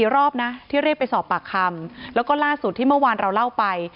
รอบนะที่เรียกไปสอบปากคำแล้วก็ล่าสุดที่เมื่อวานเราเล่าไป